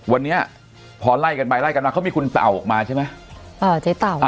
วันนี้พอไล่กันไปไล่กันมาเขามีคุณเต่าออกมาใช่ไหม